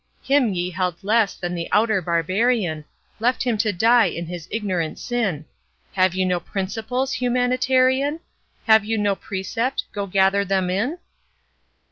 Him ye held less than the outer barbarian, Left him to die in his ignorant sin; Have you no principles, humanitarian? Have you no precept 'go gather them in?'